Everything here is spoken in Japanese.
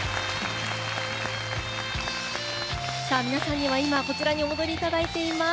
皆さんには今お戻りいただいています。